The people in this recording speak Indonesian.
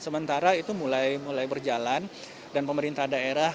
sementara itu mulai berjalan dan pemerintah daerah